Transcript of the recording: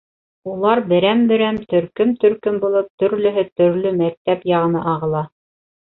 Улар берәм-берәм, төркөм-төркөм булып, төрлөһө төрлө мәктәп яғына ағыла.